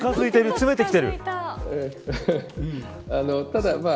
詰めてきている。